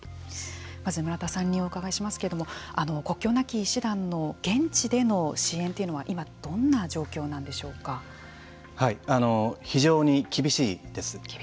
まず、村田さんにお伺いしますけれども国境なき医師団の現地での支援というのは非常に厳しいです。